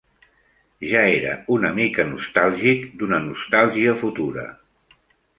Ja era una mica nostàlgic, d'una nostàlgia futura.